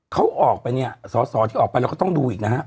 เขาออกไปเนี่ยสอสอที่ออกไปเราก็ต้องดูอีกนะฮะ